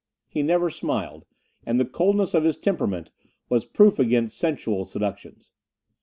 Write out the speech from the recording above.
He never smiled, and the coldness of his temperament was proof against sensual seductions.